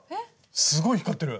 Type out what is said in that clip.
すごい光ってる。